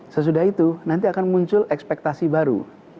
sesudah itu nanti akan muncul ekspektasi baru